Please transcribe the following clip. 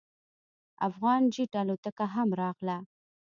افغان جیټ الوتکه هم راغله.